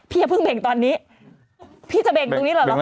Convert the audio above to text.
พี่จะเพิ่งเบ่งตอนนี้พี่จะเบ่งตรงนี้หรือเปล่า